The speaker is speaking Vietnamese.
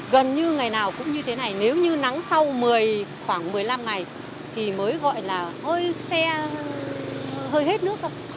gần như ngày nào cũng như thế này nếu như nắng sau khoảng một mươi năm ngày thì mới gọi là hơi xe hơi hết nước thôi